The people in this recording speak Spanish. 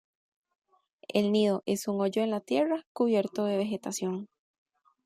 El nido es un hoyo en la tierra cubierto de vegetación.